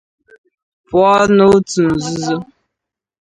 pụọ n'otu nzuzo